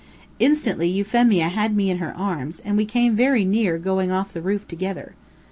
Instantly Euphemia had me in her arms, and we came very near going off the roof together.